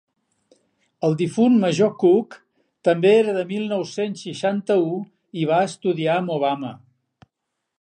El difunt major Cook també era de mil nou-cents seixanta-u i va estudiar amb Obama.